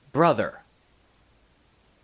BROTHER !